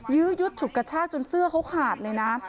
ยื้อยุดฉุดกระชากจนเสื้อเขาขาดเลยนะ